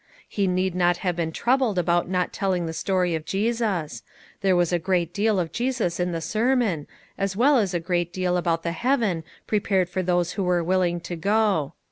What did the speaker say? He need not have been troubled about not telling the story of Jesus ; there was a great deal about Jesus in the sermon, as well as a great deal about the heaven prepared for those who were Avilling to go.